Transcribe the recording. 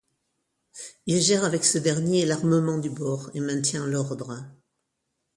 Il gère avec ce dernier l'armement du bord et maintient l'ordre.